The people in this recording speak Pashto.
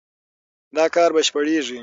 دا کار بشپړېږي.